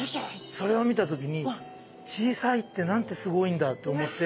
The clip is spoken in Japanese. それを見た時に小さいってなんてすごいんだと思って。